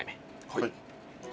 はい。